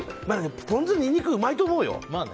ポン酢にニンニクうまいと思うよ。